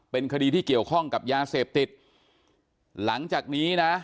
เป็นคดีที่เกี่ยวข้องกับยาเสพติดหลังจากนี้นะ